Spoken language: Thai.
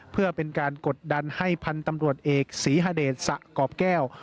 เพื่อเป็นการกดดันให้พันธุ์ตำรวจเอกศรีฮเดชสะกรอบแก้ว